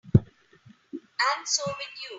And so will you.